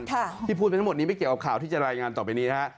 ที่พูดไปทั้งหมดนี้ไม่เกี่ยวกับข่าวที่จะรายงานต่อไปนี้นะฮะ